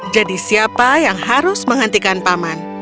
jadi siapa yang harus menghentikan paman